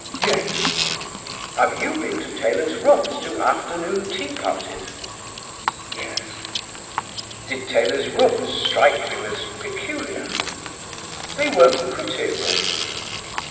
"Yes." "Have you been to Taylor's rooms to afternoon tea parties?" "Yes." "Did Taylor's rooms strike you as peculiar?" "They were pretty rooms."